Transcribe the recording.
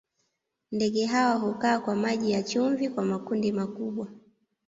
Ndege hawa hukaa kwa maji ya chumvi kwa makundi makubwa.